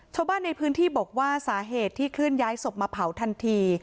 ชาวบ้านในพื้นที่บอกว่าสาเหตุที่เคลื่อนย้ายศพมาเผาทันที